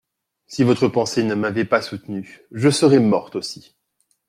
Si votre pensée ne m’avait pas soutenue, je serais morte aussi.